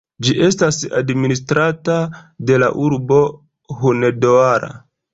Ĝi estas administrata de la urbo Hunedoara.